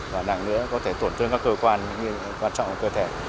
và nặng nữa có thể tổn thương các cơ quan quan trọng cơ thể